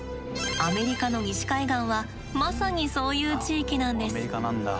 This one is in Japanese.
アメリカの西海岸はまさにそういう地域なんです。